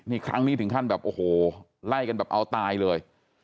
นี่ครั้งนี้ถึงขั้นแบบโอ้โหไล่กันแบบเอาตายเลย